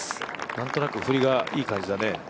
何となく振りがいい感じだね。